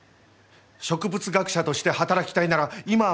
植物学者として働きたいなら今は満州がある！